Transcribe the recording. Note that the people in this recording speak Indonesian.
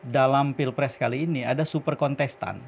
dalam pilpres kali ini ada super kontestan